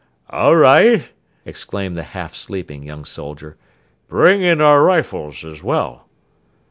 "All right," exclaimed the half sleeping young soldier, "bring in our rifles as well."